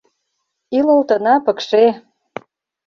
Илылтына пыкше.